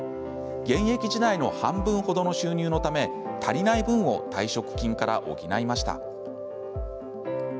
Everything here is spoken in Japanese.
現役時代の半分程の収入のため足りない分を退職金から補いました。